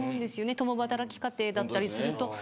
共働き家庭だったりすると。